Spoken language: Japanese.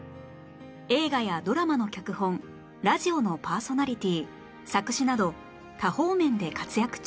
映画やドラマの脚本ラジオのパーソナリティー作詞など多方面で活躍中